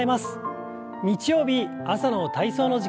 日曜日朝の体操の時間です。